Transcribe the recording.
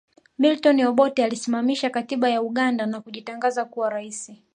Milton Obote aliisimamisha katiba ya Uganda na kujitangaza kuwa rais